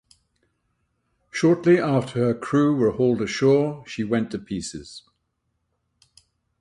Shortly after her crew were hauled ashore she went to pieces.